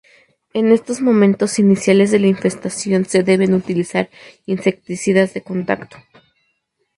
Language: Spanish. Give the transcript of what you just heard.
En estos momentos iniciales de la infestación se deben utilizar insecticidas de contacto.